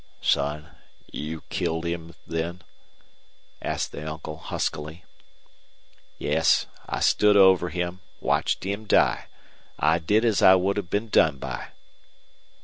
"Son, you killed him then?" asked the uncle, huskily. "Yes. I stood over him watched him die. I did as I would have been done by."